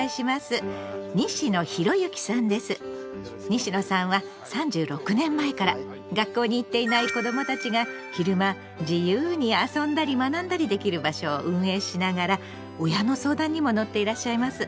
西野さんは３６年前から学校に行っていない子どもたちが昼間自由に遊んだり学んだりできる場所を運営しながら親の相談にも乗っていらっしゃいます。